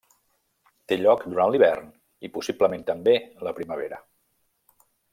Té lloc durant l'hivern i, possiblement també, la primavera.